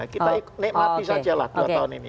kita nikmati sajalah dua tahun ini